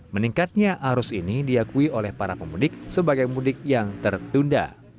meningkatnya arus ini diakui oleh para pemudik sebagai mudik yang tertunda